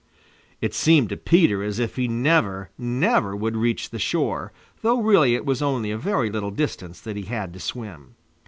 It seemed to Peter as if he never, never would reach the shore, though really it was only a very little distance that he had to swim.